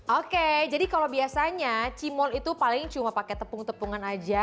oke jadi kalau biasanya cimol itu paling cuma pakai tepung tepungan aja